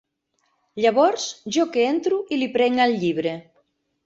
Llavors, jo que entro i li prenc el llibre.